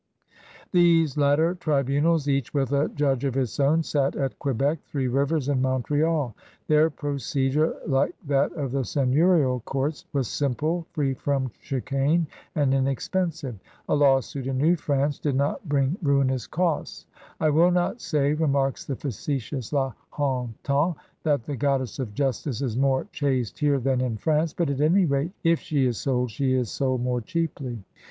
These latter tribunals, each with a judge of its own, sat at Quebec, Three Rivers, and Montreal. Their procedure, like that of the seigneurial courts, was simple, free from chicane, and inexpensive. A lawsuit in New France did not bring ruinous costs. I will not say, " remarks the facetious La Hontan, that the Goddess of Justice is more chaste here than in France, but at any rate, if she is sold, she is sold more cheaply.